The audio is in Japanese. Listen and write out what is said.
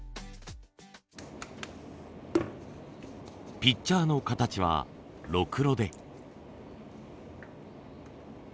ピッチャーの形はろくろで。